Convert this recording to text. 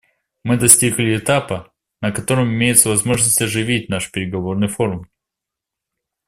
Мы достигли этапа, на котором имеется возможность оживить наш переговорный форум.